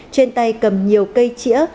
trên tay cầm nhiều cây chĩa